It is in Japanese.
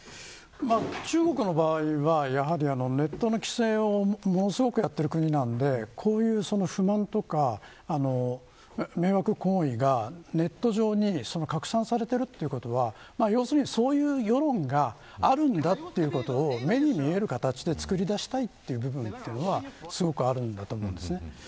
中国の場合は、ネットの規制をものすごくやっている国なのでこういう不満とか迷惑行為がネット上に拡散されているということは要するに、そういう世論があるんだということは目に見える形でつくり出したい部分はすごくあると思います。